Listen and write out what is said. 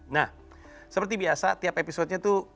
nah seperti biasa tiap episodenya itu